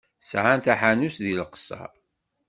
Sɛan taḥanut deg Leqṣeṛ?